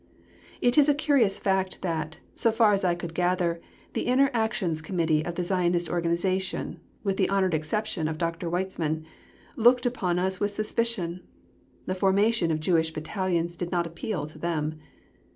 It is a curious fact that, so far as I could gather, the Inner Actions Committee of the Zionist organization, with the honoured exception of Dr. Weizmann, looked on us with suspicion. The formation of Jewish Battalions did not appeal to them.